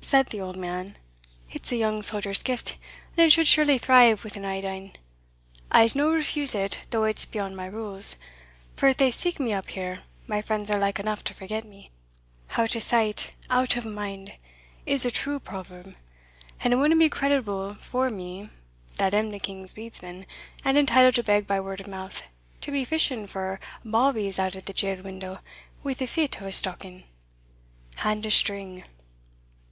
said the old man; "it's a young soldier's gift, and it should surely thrive wi' an auld ane. I'se no refuse it, though it's beyond my rules; for if they steek me up here, my friends are like eneugh to forget me out o'sight out o'mind, is a true proverb; and it wadna be creditable for me, that am the king's bedesman, and entitled to beg by word of mouth, to be fishing for bawbees out at the jail window wi' the fit o' a stocking, and a string."